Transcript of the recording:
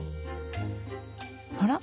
あら？